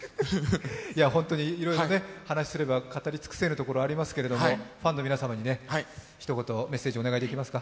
ホントにいろいろ話すれば語り尽くせないところありますけれども、ファンの皆さんに一言メッセージをお願いできますか。